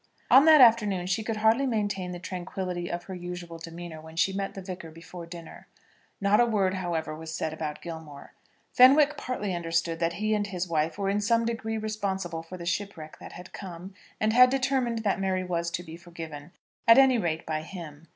On that afternoon she could hardly maintain the tranquillity of her usual demeanour when she met the Vicar before dinner. Not a word, however, was said about Gilmore. Fenwick partly understood that he and his wife were in some degree responsible for the shipwreck that had come, and had determined that Mary was to be forgiven, at any rate by him.